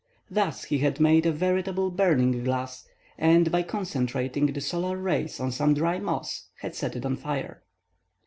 Thus he had made a veritable burning glass, and by concentrating the solar rays on some dry moss had set it on fire.